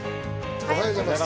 おはようございます。